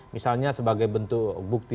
misalnya sebagai bentuk bukti